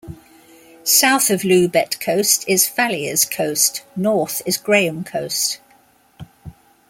South of Loubet Coast is Fallieres Coast, north is Graham Coast.